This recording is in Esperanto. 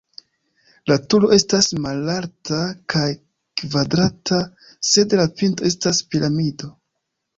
La turo estas malalta kaj kvadrata, sed la pinto estas piramido.